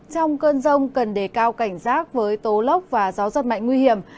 trong cơn rông cần đề cao cảnh giác với tố lốc và gió giật mạnh nguy hiểm